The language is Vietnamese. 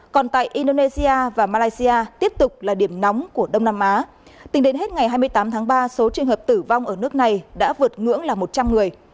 còn tại indonesia và malaysia tiếp tục là điểm nóng của đông nam á tính đến hết ngày hai mươi tám tháng ba số trường hợp tử vong ở nước này đã vượt ngưỡng là một trăm linh người